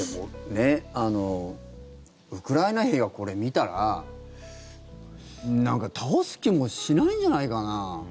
でも、ウクライナ兵がこれ見たら倒す気もしないんじゃないかな。